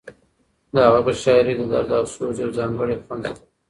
د هغه په شاعرۍ کې د درد او سوز یو ځانګړی خوند شته.